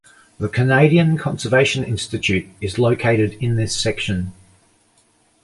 The Canadian Conservation Institute is located in this section.